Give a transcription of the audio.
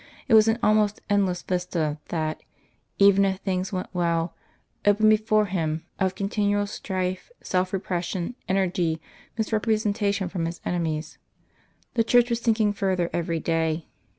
It was an almost endless vista that (even if things went well) opened before him, of continual strife, self repression, energy, misrepresentation from his enemies. The Church was sinking further every day.